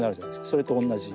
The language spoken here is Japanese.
それと同じ。